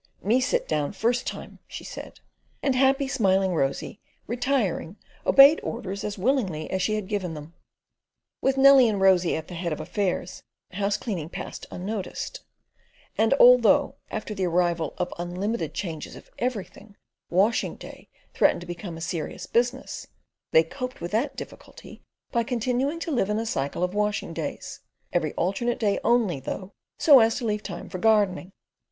"Me sit down first time," she said; and happy, smiling Rosy, retiring, obeyed orders as willingly as she had given them. With Nellie and Rosy at the head of affairs, house cleaning passed unnoticed, and although, after the arrival of unlimited changes of everything, washing day threatened to become a serious business, they coped with that difficulty by continuing to live in a cycle of washing days—every alternate day only, though, so as to leave time for gardening.